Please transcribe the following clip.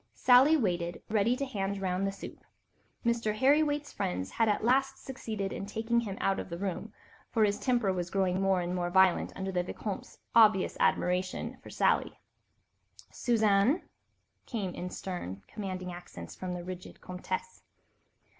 Sally waited, ready to hand round the soup. Mr. Harry Waite's friends had at last succeeded in taking him out of the room, for his temper was growing more and more violent under the Vicomte's obvious admiration for Sally. "Suzanne," came in stern, commanding accents from the rigid Comtesse.